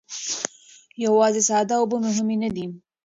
یوازې ساده اوبه مهمې نه دي.